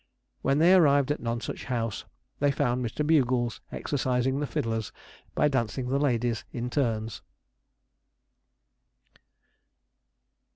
When they arrived at Nonsuch House, they found Mr. Bugles exercising the fiddlers by dancing the ladies in turns.